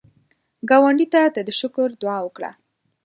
ګاونډي ته د شکر دعا وکړه